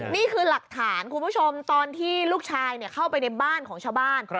นี่คือหลักฐานคุณผู้ชมตอนที่ลูกชายเข้าไปในบ้านของชาวบ้าน